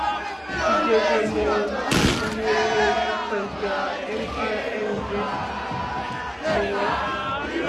kugeza mu iyimikwa rya mrnd mu wa